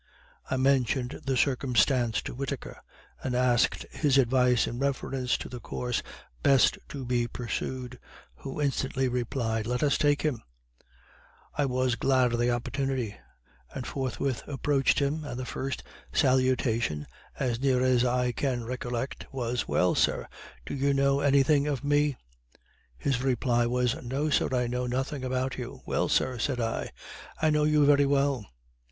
I mentioned the circumstance to Whitaker, and asked his advice in reference to the course best to be pursued; who instantly replied, "let us take him." I was glad of the opportunity, and forthwith approached him, and the first salutation, as near as I can recollect, was, "Well sir, do you know any thing of me?" His reply was, "No sir, I know nothing about you." "Well sir," said I, "I know you very well."